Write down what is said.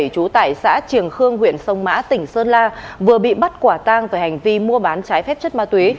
chú tại xã triềng khương huyện sông mã tỉnh sơn la vừa bị bắt quả tang về hành vi mua bán trái phép chất ma túy